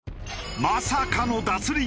まさかの脱輪。